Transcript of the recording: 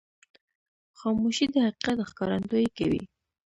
خاموشي، د حقیقت ښکارندویي کوي.